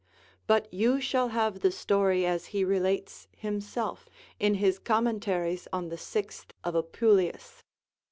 But you shall have the story as he relates himself, in his Commentaries on the sixth of Apuleius.